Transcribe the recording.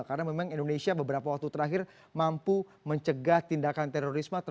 karena memang indonesia beberapa waktu terakhir mampu mencegah tindakan terorisme